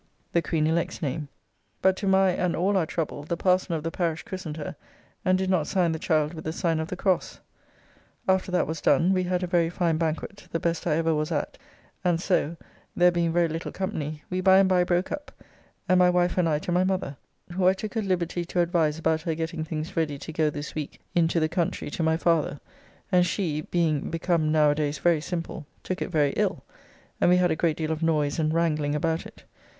] (the Queen elect's name); but to my and all our trouble, the Parson of the parish christened her, and did not sign the child with the sign of the cross. After that was done, we had a very fine banquet, the best I ever was at, and so (there being very little company) we by and by broke up, and my wife and I to my mother, who I took a liberty to advise about her getting things ready to go this week into the country to my father, and she (being become now a days very simple) took it very ill, and we had a great deal of noise and wrangling about it.